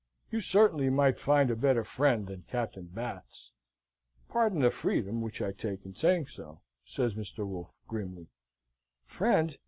You certainly might find a better friend than Captain Batts. Pardon the freedom which I take in saying so," says Mr. Wolfe, grimly. "Friend!